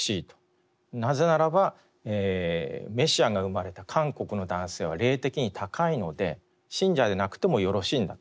なぜならばメシアが生まれた韓国の男性は霊的に高いので信者でなくてもよろしいんだと。